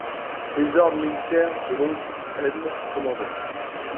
Les ordres militaires de l'oncle Edme commandaient.